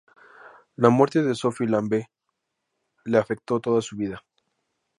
La muerte de Sophie Lambe le afectó toda su vida.